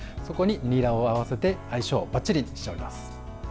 そこに、にらを合わせて相性ばっちりに仕上げます。